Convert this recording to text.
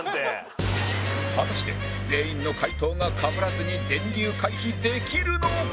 果たして全員の回答がかぶらずに電流回避できるのか？